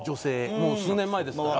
もう数年前ですから。